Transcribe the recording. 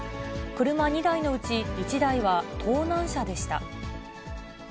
車２台のうち１台は盗難車でした。